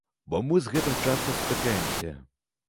Бо мы з гэтым часта сутыкаемся.